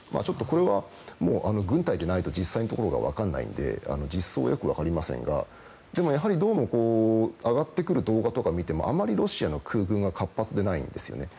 これは、軍隊でないと実際のところは分からないので実装はよく分かりませんがやはり、どうも上がってくる動画とか見てもあまりロシアの空軍は活発ではないんですよね。